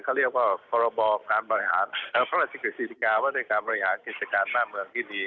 เขาเรียกว่าภารกิจกรีศิษฐิกาภารกิจการบริหารกิจการหน้าเมืองดี